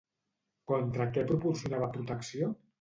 Contra què proporcionava protecció?